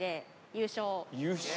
優勝。